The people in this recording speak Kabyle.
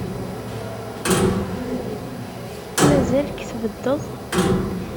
Mazal-k tbeddeḍ?